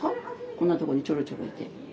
こんなとこにちょろちょろいて。